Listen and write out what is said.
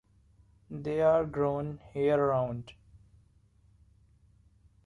They are grown year-round.